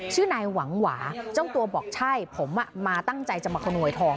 ชื่อนายหวังหวาเจ้าตัวบอกใช่ผมมาตั้งใจจะมาขโมยทอง